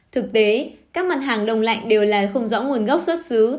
thực tế các mặt hàng đông lạnh đều là không rõ nguồn gốc xuất xứ